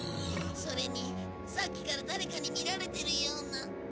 それにさっきから誰かに見られてるような。